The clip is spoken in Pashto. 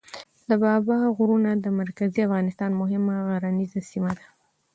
د بابا غرونه د مرکزي افغانستان مهمه غرنیزه سیمه ده.